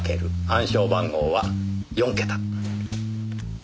暗証番号は４桁。